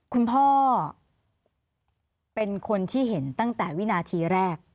คุณพ่อเป็นคนที่เห็นตั้งแต่วินาทีแรก